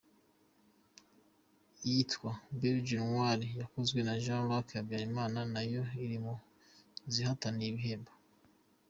Iyitwa «Le Belge noir» yakozwe na Jean-Luc Habyarimana nayo iri mu zihataniye ibihembo.